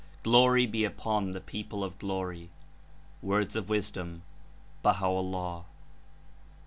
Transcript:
Glory be upon the people of Glory F^ (Words of Wisdom. BahaVllah.)